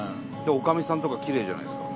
女将さんとかきれいじゃないですか。